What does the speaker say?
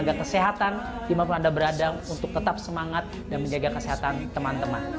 jaga kesehatan dimanapun anda berada untuk tetap semangat dan menjaga kesehatan teman teman